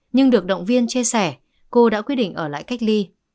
nhưng được động viên chia sẻ cô đã quyết định ở lại cách ly